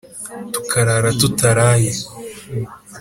tukarara tutaraye